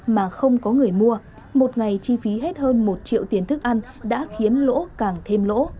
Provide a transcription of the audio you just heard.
mà không có người mua một ngày chi phí hết hơn một triệu tiền thức ăn đã khiến lỗ càng thêm lỗ